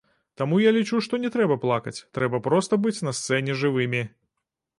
Таму я лічу, што не трэба плакаць, трэба проста быць на сцэне жывымі.